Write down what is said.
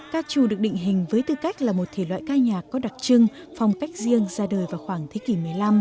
ca trù được định hình với tư cách là một thể loại ca nhạc có đặc trưng phong cách riêng ra đời vào khoảng thế kỷ một mươi năm